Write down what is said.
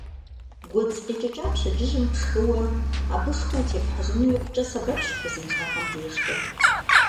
Гуэдз къикӏыкӏа пщэдджыжьым пшхыуэ, абы шху утефыхьыжыну икъукӏэ сэбэпщ узыншагъэм дежкӏэ.